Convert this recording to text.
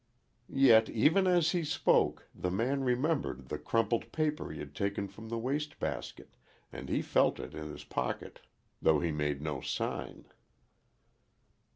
Yet even as he spoke, the man remembered the crumpled paper he had taken from the waste basket, and he felt it in his pocket, though he made no sign.